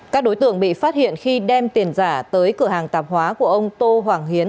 các đối tượng bị phát hiện khi đem tiền giả tới cửa hàng tạp hóa của ông tô hoàng hiến